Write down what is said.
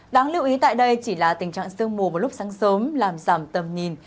đáng lưu ý tại đây chỉ là tình trạng sương mù vào lúc sáng sớm làm giảm tầm nhìn